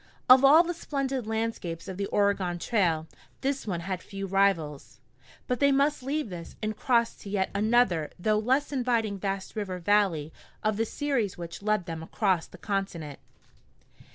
Of all the splendid landscapes of the Oregon Trail, this one had few rivals. But they must leave this and cross to yet another though less inviting vast river valley of the series which led them across the continent.